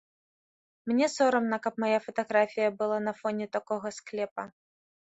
Мне сорамна, каб мая фатаграфія была на фоне такога склепа.